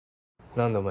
何だお前